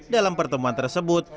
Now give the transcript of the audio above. dalam pertemuan tersebut